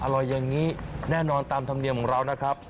อร่อยอย่างนี้แน่นอนตามธรรมเนียมของเรานะครับ